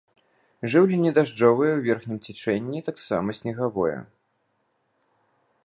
Жыўленне дажджавое, у верхнім цячэнні таксама снегавое.